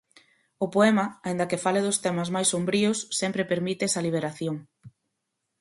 O poema, aínda que fale dos temas máis sombríos, sempre permite esa liberación.